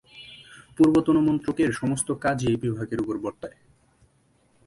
পূর্বতন মন্ত্রকের সমস্ত কাজই এই বিভাগের উপর বর্তায়।